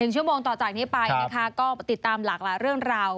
ชั่วโมงต่อจากนี้ไปนะคะก็ติดตามหลากหลายเรื่องราว